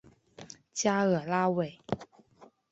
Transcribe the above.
加尔拉韦。